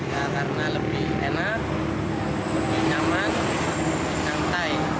lebih enak lebih nyaman santai